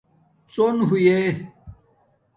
ڎݸن ہوݺئ